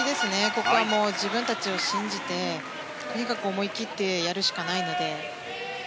ここは自分たちを信じてとにかく思い切ってやるしかないので。